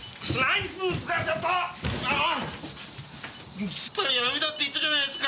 ああきっぱりやめたって言ったじゃないですか！